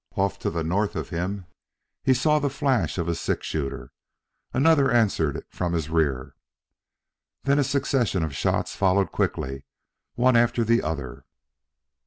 Off to the north of him he saw the flash of a six shooter. Another answered it from his rear. Then a succession of shots followed quickly one after the other.